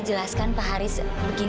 jelaskan pak haris begini